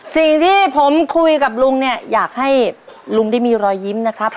สิ่งที่ผมคุยกับลุงเนี่ยอยากให้ลุงได้มีรอยยิ้มนะครับ